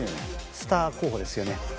スター候補ですよね。